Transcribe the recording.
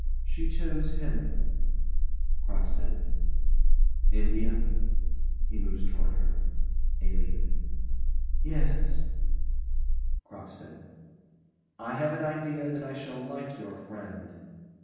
She chose him. CROCKSTEAD. India? [He moves towards her.] ALINE. Yes. CROCKSTEAD. I have an idea that I shall like your friend.